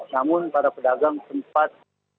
namun para pedagang sempat